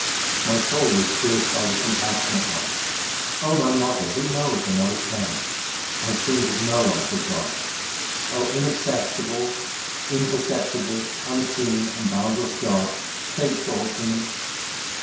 My soul is pierced by the Compassionate One ; O my mother, HYMNS OF GURU NANAK 347 Who knoweth another s pain ? I think of no one but God. inaccessible, imperceptible, unseen, and boundless God, take thought for me.